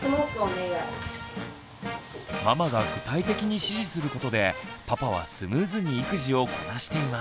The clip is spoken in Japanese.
ママが具体的に指示することでパパはスムーズに育児をこなしています。